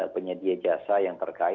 penyedia jasa yang terkait